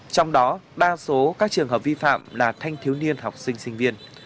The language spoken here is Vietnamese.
trong đó đa số các trường hợp vi phạm là thanh thiếu niên học sinh sinh viên